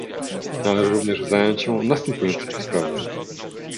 Należy również zająć się następującymi sprawami